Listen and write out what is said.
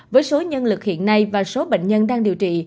với số nhân lực hiện nay và số bệnh nhân đang điều trị